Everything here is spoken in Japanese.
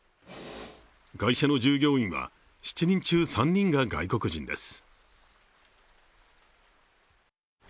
会社の従業員は７人中３人が外国人です。